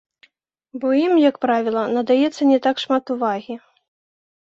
Бо ім, як правіла, надаецца не так шмат увагі.